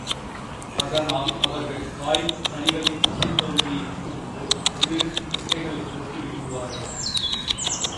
அதனால் அவர்கள் காய் கனிகளின் தசைப் பகுதியை மட்டும் உண்டு, உள்ளிருக்கும் கொட்டைகளைப் போட்டு விடுவார்களாம்.